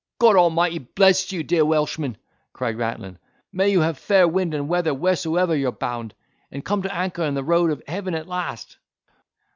"God Almighty bless you, dear Welshman!" cried Rattlin, "may you have fair wind and weather wheresoever you're bound, and come to an anchor in the road of heaven at last!"